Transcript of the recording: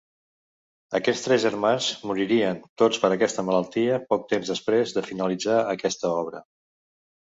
Aquests tres germans moririen tots per aquesta malaltia poc temps després de finalitzar aquesta obra.